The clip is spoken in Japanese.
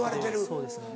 そうですね。